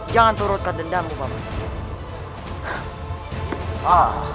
jangan turutkan dendamu bapak